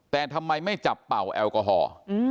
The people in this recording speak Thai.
แต่ทำไมไม่จับเป่าแอลกอฮอล์